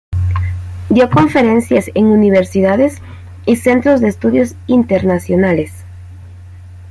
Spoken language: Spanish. Dio conferencias en universidades y centros de estudios internacionales.